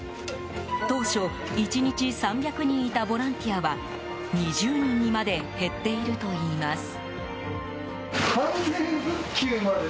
当初、１日３００人いたボランティアは２０人にまで減っているといいます。